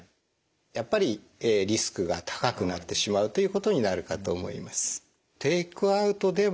やっぱりリスクが高くなってしまうということになるかと思います。